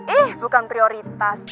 eh bukan prioritas